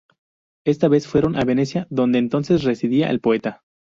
Esta vez fueron a Venecia, donde entonces residía el poeta.